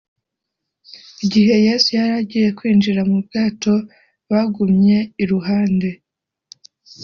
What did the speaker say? igihe yesu yari agiye kwinjira mu bwato, bamugumye iruhande,